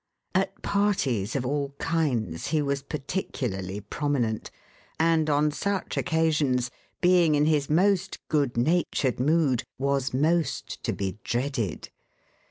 At parties of all kinds he was particularly prominent, and on such occasions, being in his most good natured mood, was most to be dreaded.